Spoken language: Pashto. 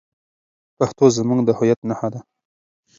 پښتو زموږ د هویت نښه ده.